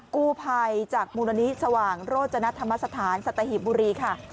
กู้ภัยจากมูลนิธิสว่างโรจนธรรมสถานสัตหิบบุรีค่ะ